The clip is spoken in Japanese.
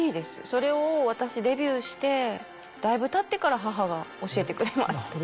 それを私デビューしてだいぶたってから母が教えてくれました。